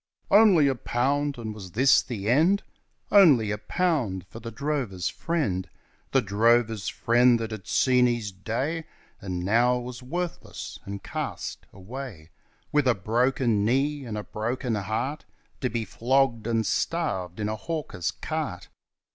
..... 'Only a pound!' and was this the end Only a pound for the drover's friend. The drover's friend that had seen his day, And now was worthless, and cast away With a broken knee and a broken heart To be flogged and starved in a hawker's cart.